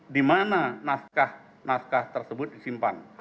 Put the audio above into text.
di mana naskah naskah tersebut disimpan